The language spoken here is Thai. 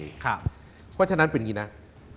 เพราะฉะนั้นเป็นอย่างนี้นะ